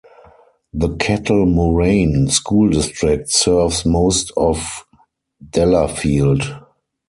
The Kettle Moraine School District serves most of Delafield.